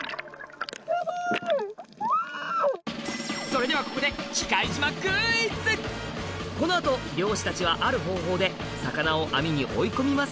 それではここでこの後漁師たちはある方法で魚を網に追い込みます